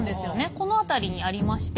この辺りにありまして